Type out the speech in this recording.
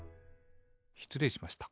しつれいしました。